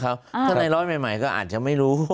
ถ้าในร้อยใหม่ก็อาจจะไม่รู้